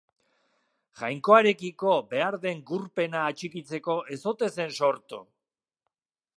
Jainkoarekiko behar den gurpena atxikitzeko ez ote zen sortu?